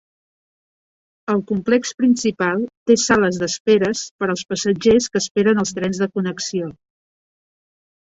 El complex principal té sales d'esperes per als passatgers que esperen els trens de connexió.